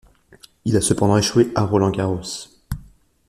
Il a cependant échoué à Roland-Garros.